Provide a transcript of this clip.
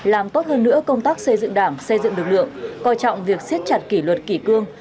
làm tốt hơn nữa công tác xây dựng đảng xây dựng lực lượng coi trọng việc siết chặt kỷ luật kỷ cương